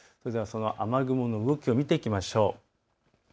その雨雲の動きを見ていきましょう。